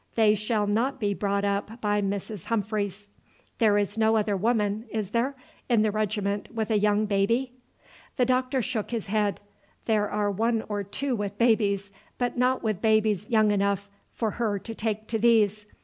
They shall not be brought up by Mrs. Humphreys. There is no other woman, is there, in the regiment with a young baby?" The doctor shook his head. "There are one or two with babies, but not with babies young enough for her to take to these.